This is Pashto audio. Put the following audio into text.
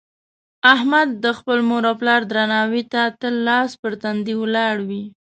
احمد د خپل مور او پلار درناوي ته تل لاس په تندي ولاړ وي.